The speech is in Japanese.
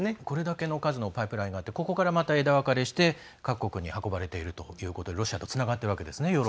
これだけの数のパイプラインがあってここからまた枝分かれして各国に運ばれているということでロシアとつながっているわけですね。